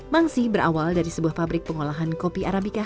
mangsi berawal dari sebuah pabrik pengolahan kopi arab indonesia